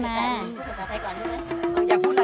หนึ่งสองซ้ำยาดมนุษย์ป้า